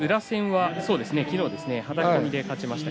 はたき込みで勝ちました。